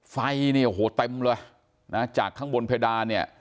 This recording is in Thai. ไฟเนี่ยโอ้โหเต็มเลยนะจากข้างบนเพดานเนี่ย